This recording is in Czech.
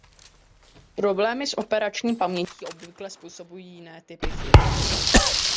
Problémy s operační pamětí obvykle způsobují jiné typy chyb.